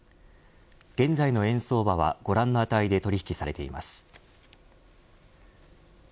現在の円相場はご覧の値で取引されています。